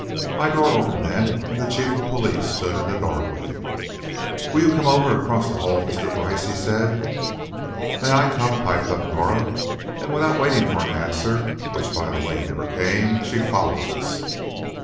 My door opened then, and the Chief of Police stood in the doorway. "Will you come over, across the hall, Mr. Brice?" he said. "May I come?" piped up Norah, and without waiting for the answer, which, by the way, never came, she followed us.